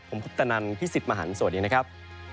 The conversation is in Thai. ผมคุปตนันพี่สิทธิ์มหันฯสวัสดีนะครับ